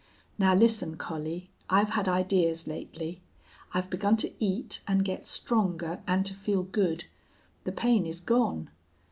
"Now listen, Collie. I've had ideas lately. I've begun to eat and get stronger and to feel good. The pain is gone.